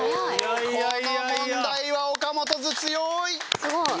すごい。